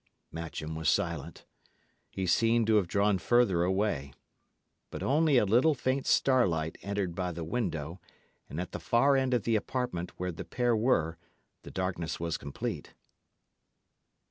Matcham was silent. He seemed to have drawn further away. But only a little faint starlight entered by the window, and at the far end of the apartment, where the pair were, the darkness was complete.